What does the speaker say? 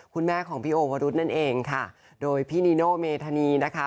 คุณแม่ของพี่โอวรุธนั่นเองค่ะโดยพี่นีโน่เมธานีนะคะ